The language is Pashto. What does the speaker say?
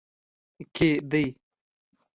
کې دی